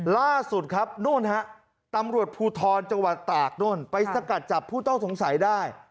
ล่าสุดตำรวจบูธรจังหวัดตากไปสกัดจับผู้ต้องสงสัยได้